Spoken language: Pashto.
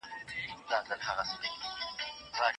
د ریحان تخم ګټور دی.